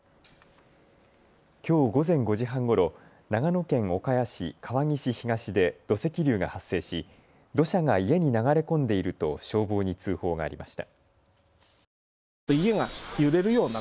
きょう午前５時半ごろ、長野県岡谷市川岸東で土石流が発生し土砂が家に流れ込んでいると消防に通報がありました。